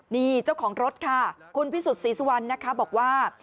นี่เจ้าของรถค่ะคุณพิสุทธิศรีสุวรรณนะคะบอกว่า